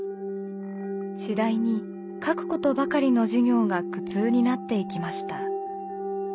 次第に書くことばかりの授業が苦痛になっていきました。